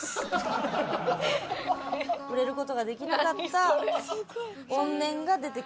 売れる事ができなかった怨念が出てくるという。